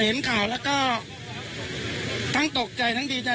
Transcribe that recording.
เห็นข่าวแล้วก็ทั้งตกใจทั้งดีใจ